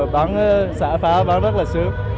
bán xã phá bán rất là sướng